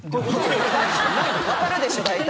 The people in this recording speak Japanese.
わかるでしょ大体！